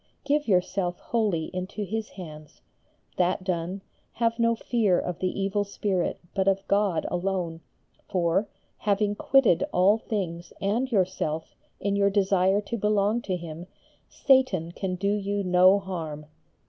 Give yourself wholly into His hands. That done, have no fear of the evil spirit but of God alone, for, having quitted all things and yourself in your desire to belong to Him, Satan can do you no harm.